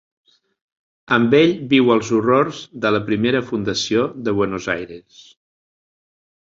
Amb ell viu els horrors de la primera fundació de Buenos Aires.